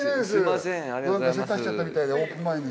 せかしちゃったみたいでオープン前に。